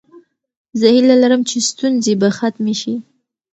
زه هیله لرم چې ستونزې به ختمې شي.